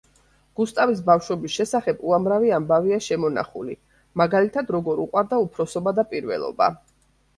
გუსტავის ბავშვობის შესახებ უამრავი ამბავია შემონახული, მაგალითად, როგორ უყვარდა უფროსობა და პირველობა.